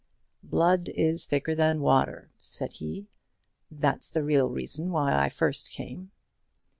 "Blood is thicker than water," said he. "That's the real reason why I first came."